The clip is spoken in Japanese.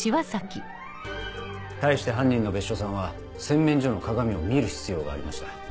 対して犯人の別所さんは洗面所の鏡を見る必要がありました。